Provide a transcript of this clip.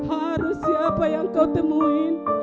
harus siapa yang kau temuin